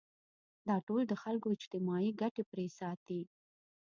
دا ټول د خلکو اجتماعي ګټې پرې ساتي.